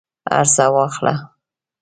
هرڅه واخله